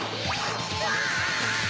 うわ！